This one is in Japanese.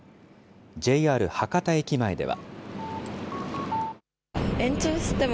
ＪＲ博多駅前では。